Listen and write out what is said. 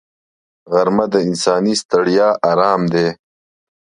غرمه د انساني ستړیا آرام دی